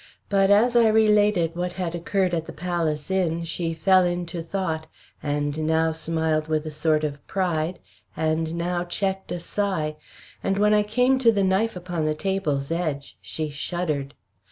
But as I related what had occurred at the Palace Inn, she fell into thought, and now smiled with a sort of pride, and now checked a sigh; and when I came to the knife upon the table's edge she shuddered.